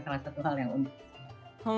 salah satu hal yang unik